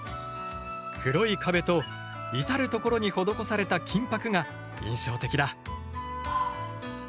黒い壁と至る所に施された金箔が印象的だ。